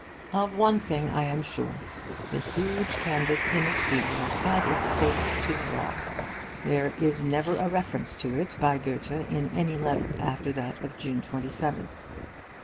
Of one thing I am sure. The huge canvas in the studio had its face to the wall. There is never a reference to it by Goethe in any letter after that of June 27th.